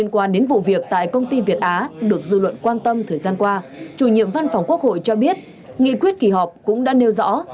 quan tâm thời gian qua chủ nhiệm văn phòng quốc hội cho biết nghị quyết kỳ họp cũng đã nêu rõ